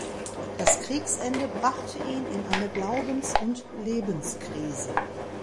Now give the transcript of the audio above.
Das Kriegsende brachte ihn in eine Glaubens- und Lebenskrise.